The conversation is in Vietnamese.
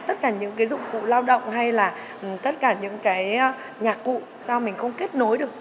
tất cả những cái dụng cụ lao động hay là tất cả những cái nhạc cụ sao mình không kết nối được